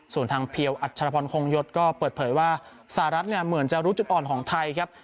ส่วนทางเพียวอัชรพรคงยศก็เปิดเผยว่าสหรัฐเนี่ยเหมือนจะรู้จุดอ่อนของไทยครับ